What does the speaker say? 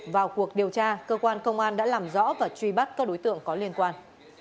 vào cuộc điều tra cơ quan công an đã làm rõ và truy bắt các đối tượng có liên quan